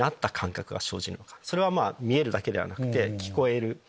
それは見えるだけではなくて聞こえる。